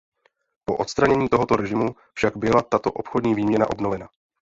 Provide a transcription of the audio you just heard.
Po odstranění tohoto režimu však byla tato obchodní výměna obnovena.